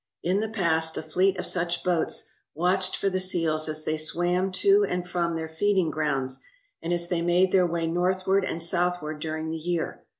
In the past, a fleet of such boats watched for the seals as they swam to and from their feeding grounds and as they made their way northward and southward during the year.